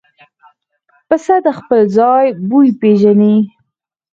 پسه د خپل ځای بوی پېژني.